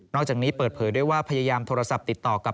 อกจากนี้เปิดเผยด้วยว่าพยายามโทรศัพท์ติดต่อกับ